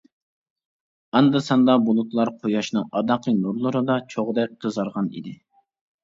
ئاندا ساندا بۇلۇتلار قۇياشنىڭ ئاداققى نۇرلىرىدا چوغدەك قىزارغان ئىدى.